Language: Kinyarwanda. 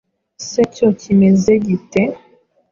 se cyo kimeze gite?